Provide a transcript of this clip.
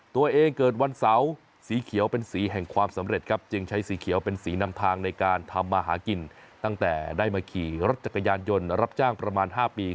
ตัวเองเกิดวันเสาร์สีเขียวเป็นสีแห่งความสำเร็จครับจึงใช้สีเขียวเป็นสีนำทางในการทำมาหากินตั้งแต่ได้มาขี่รถจักรยานยนต์รับจ้างประมาณ๕ปี